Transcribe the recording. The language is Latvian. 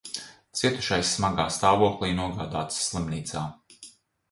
Cietušais smagā stāvoklī nogādāts slimnīcā.